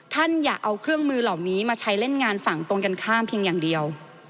อย่าเอาเครื่องมือเหล่านี้มาใช้เล่นงานฝั่งตรงกันข้ามเพียงอย่างเดียว